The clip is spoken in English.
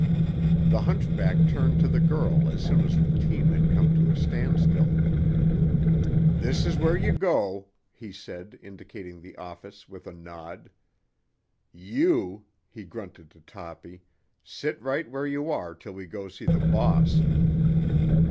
The hunchback turned to the girl as soon as the team had come to a standstill. "This is where you go," he said, indicating the office with a nod. "You," he grunted to Toppy, "sit right where you are till we go see the boss."